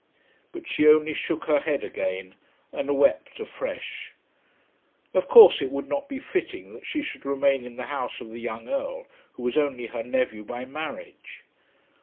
But she only shook her head again and wept afresh. Of course it would not be fitting that she should remain in the house of the young Earl who was only her nephew by marriage.